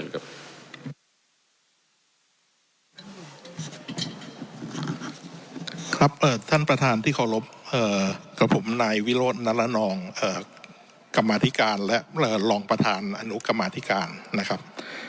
ครับท่านประธานที่เคารพกับผมนายวิโรธนรนองกรรมาธิการและรองประธานอนุกรรมาธิการนะครับ